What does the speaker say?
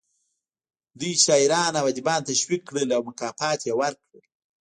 دوی شاعران او ادیبان تشویق کړل او مکافات یې ورکړل